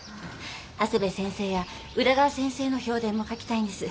長谷部先生や宇田川先生の評伝も書きたいんです。